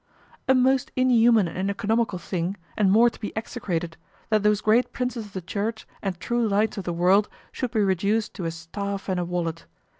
A most inhuman and economical thing, and more to be execrated, that those great princes of the Church and true lights of the world should be reduced to a staff and a wallet.